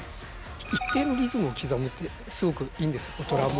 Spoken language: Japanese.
一定のリズムを刻むってすごくいいんですよドラムをたたくとか。